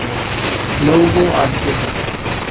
No hubo ascensos.